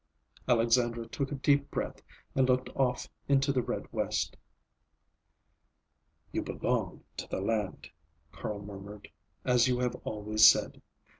Alexandra took a deep breath and looked off into the red west. "You belong to the land," Carl murmured, "as you have always said.